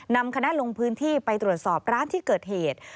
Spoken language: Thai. นำคณะลงพื้นที่ไปตรวจสอบร้านที่เกิดเหตุ